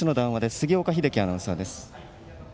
杉岡英樹アナウンサーです。